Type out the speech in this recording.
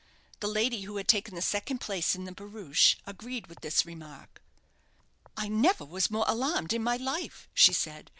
The lady who had taken the second place in the barouche agreed with this remark. "I never was more alarmed in my life," she said.